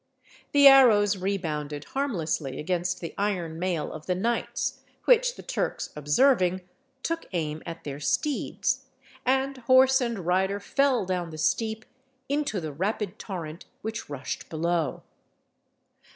The arrows rebounded harmlessly against the iron mail of the knights, which the Turks observing, took aim at their steeds, and horse and rider fell down the steep into the rapid torrent which rushed below.